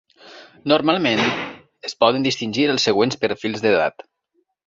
Normalment, es poden distingir els següents perfils d'edat.